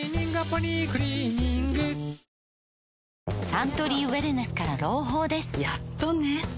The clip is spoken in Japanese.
サントリーウエルネスから朗報ですやっとね